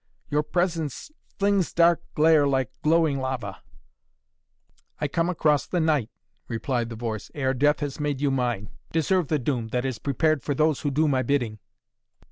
Your presence flings dark glare like glowing lava " "I come across the night," replied the voice, "ere death has made you mine! Deserve the doom that is prepared for those who do my bidding.